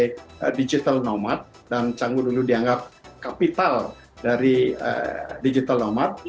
pak menteri sandiaga uno sebagai digital nomad dan cangguh dulu dianggap kapital dari digital nomad